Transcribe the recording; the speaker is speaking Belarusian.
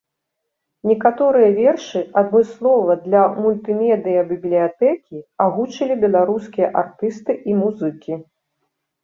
Некаторыя вершы адмыслова для мультымедыя-бібліятэкі агучылі беларускія артысты і музыкі.